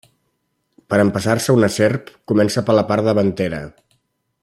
Per empassar-se una serp, comença per la part davantera.